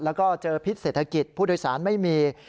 แล้วก็เจอพิษเศรษฐกิจผู้โดยสารไม่มี